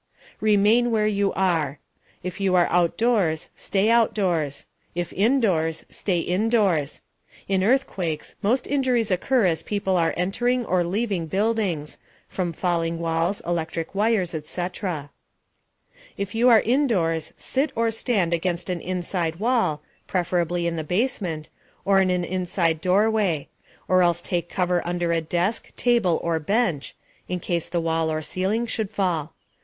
REMAIN WHERE YOU ARE. If you are outdoors, stay outdoors; if indoors, stay indoors. In earthquakes, most injuries occur as people are entering or leaving buildings (from falling walls, electric wires, etc.). If you are indoors, sit or stand against an inside wall (preferably in the basement), or in an inside doorway; or else take cover under a desk, table or bench (in case the wall or ceiling should fall).